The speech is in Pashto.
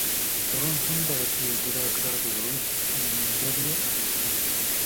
پرون هم دغسي یو ګیراک راغی عود لوینډر يې اخيستل